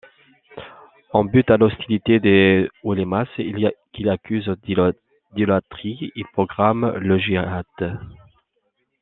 En butte à l’hostilité des oulémas qu'il accuse d'idolâtrie, il proclame le jihad.